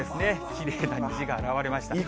きれいな虹が現れました。